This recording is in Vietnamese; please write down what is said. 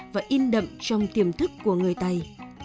và in đậm trong tiềm thức của người tày